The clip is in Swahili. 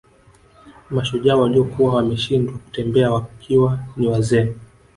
Mashujaa waliokuwa wameshindwa kutembea wakiwa ni wazee